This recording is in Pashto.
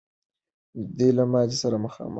دوی له ماتي سره مخامخ کېږي.